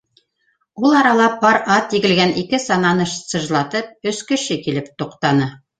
Ул арала пар ат егелгән ике сананы сажлатып, өс кеше килеп туҡтаны.